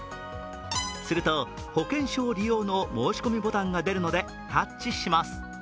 すると、保険証利用の申込ボタンが出るのでタッチします。